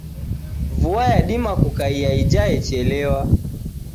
Vua yadima kukaia ija yechelewa.